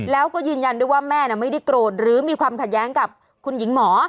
แล้วก็ยืนยันด้วยว่าแม่ไม่ได้โกรธหรือมีความขัดแย้งกับคุณหญิงหมอ